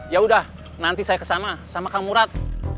yaudah nanti saya kesana sama kang murad